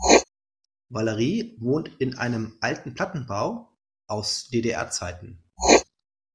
Valerie wohnt in einem alten Plattenbau aus DDR-Zeiten.